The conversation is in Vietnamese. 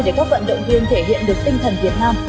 để các vận động viên thể hiện được tinh thần việt nam